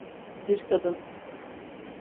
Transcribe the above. Bir kadın.